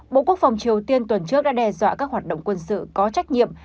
bộ quốc phòng triều tiên tuần trước đã đe dọa các hoạt động quân sự có trách nhiệm